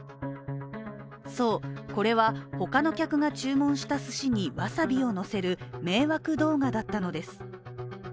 そう、これはほかの客が注文したすしにわさびをのせる迷惑動画だったのです。